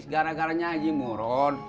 gara gara nyanyi murun